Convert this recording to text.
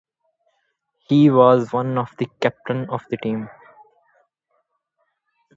He was one of the captains of the team.